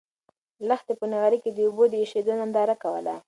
لښتې په نغري کې د اوبو د اېشېدو ننداره کوله.